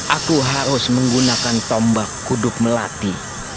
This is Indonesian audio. aku harus menggunakan tombak kudup melati